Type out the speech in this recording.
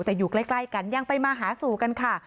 แต่อยู่ใกล้กันยังไปมาหาสู่กันค่ะ